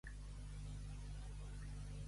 Fer una estamenya.